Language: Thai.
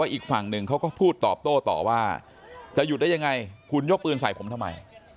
อีกฝั่งหนึ่งเขาก็พูดตอบโต้ต่อว่าจะหยุดได้ยังไงคุณยกปืนใส่ผมทำไม